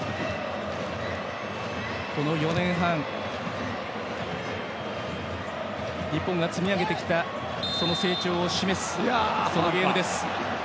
この４年半日本が積み上げてきたその成長を示すゲームです。